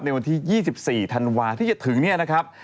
วันที่๒๔ธันวาที่จะถึงเนี่ยนะครับ